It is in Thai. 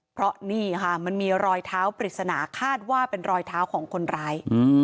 เพราะนี่ค่ะมันมีรอยเท้าปริศนาคาดว่าเป็นรอยเท้าของคนร้าย